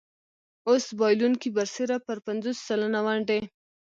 اوس بایلونکی برسېره پر پنځوس سلنه ونډې.